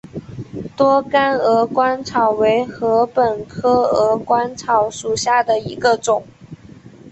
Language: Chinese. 多秆鹅观草为禾本科鹅观草属下的一个种。